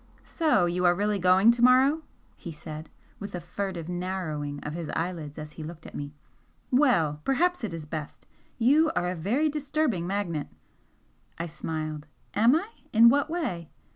"So you are really going to morrow!" he said, with a furtive narrowing of his eyelids as he looked at me "Well! Perhaps it is best! You are a very disturbing magnet." I smiled. "Am I? In what way?"